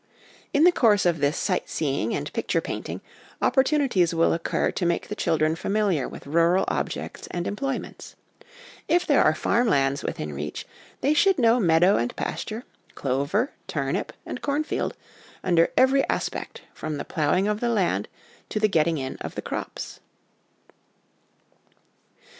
In the course of this 'sight seeing' and 'picture painting,' opportunities will occur to make the children familiar with rural objects and employments. If there are farm lands within reach, they should know meadow and pasture, clover, turnip, and corn field, under every aspect, from the ploughing of the land to the getting in of the crops.